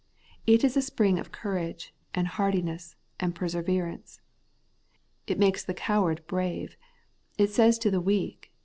It is a spring of courage, and hardihood, and perseverance. It makes the coward brave ; it says to the weak.